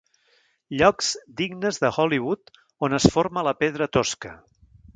Llocs dignes de Hollywood on es forma la pedra tosca.